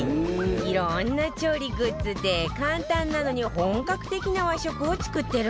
いろんな調理グッズで簡単なのに本格的な和食を作ってるんだって